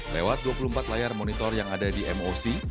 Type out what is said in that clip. lewat dua puluh empat layar monitor yang ada di moc